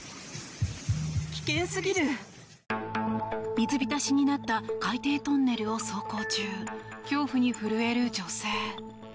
水浸しになった海底トンネルを走行中恐怖に震える女性。